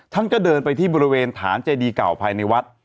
ท่านก็เดินไปที่บริเวณฐานเจดีเก่าภายในวัด